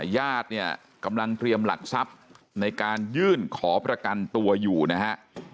ญาติเนี่ยกำลังเตรียมหลักทรัพย์ในการยื่นขอประกันตัวอยู่นะฮะ